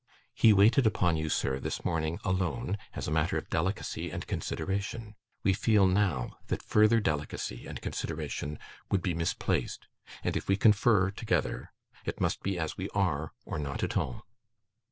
He waited upon you, sir, this morning, alone, as a matter of delicacy and consideration. We feel, now, that further delicacy and consideration would be misplaced; and, if we confer together, it must be as we are or not at all.